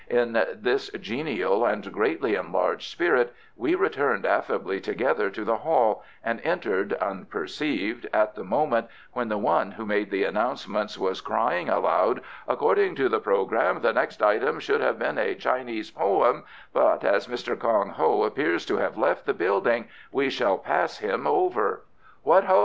In this genial and greatly enlarged spirit we returned affably together to the hall, and entered unperceived at the moment when the one who made the announcements was crying aloud, "According to the programme the next item should have been a Chinese poem, but as Mr. Kong Ho appears to have left the building, we shall pass him over " "What Ho?"